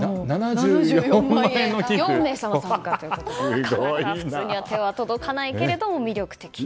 ４名様参加ということで普通の方には手が届かないけれど魅力的。